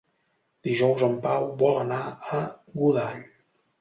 Dijous en Pau vol anar a Godall.